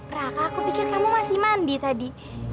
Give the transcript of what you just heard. prak aku pikir kamu masih mandi tadi